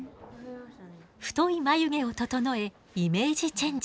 太い眉毛を整えイメージチェンジ。